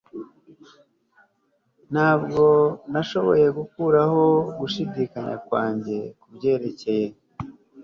Ntabwo nashoboye gukuraho gushidikanya kwanjye kubyerekeye